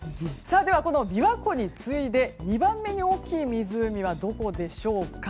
この琵琶湖に次いで２番目に大きい湖はどこでしょうか。